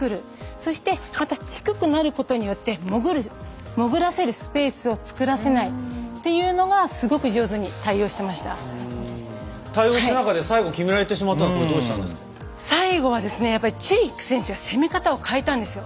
そして、また低くなることによって潜らせるスペースを作らせないというのが対応した中で最後決められてしまったのは最後はチェリック選手が攻め方を変えたんですよ。